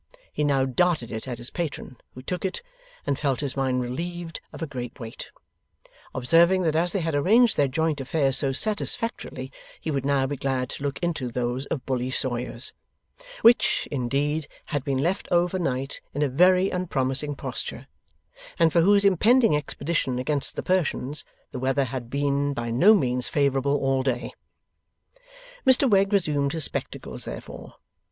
He now darted it at his patron, who took it, and felt his mind relieved of a great weight: observing that as they had arranged their joint affairs so satisfactorily, he would now be glad to look into those of Bully Sawyers. Which, indeed, had been left over night in a very unpromising posture, and for whose impending expedition against the Persians the weather had been by no means favourable all day. Mr Wegg resumed his spectacles therefore.